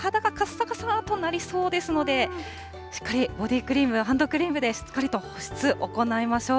さかさとなりそうですので、しっかりボディクリームやハンドクリームでしっかりと保湿行いましょう。